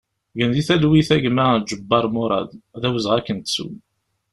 Gen di talwit a gma Ǧebbar Murad, d awezɣi ad k-nettu!